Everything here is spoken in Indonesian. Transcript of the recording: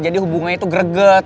jadi hubungannya itu greget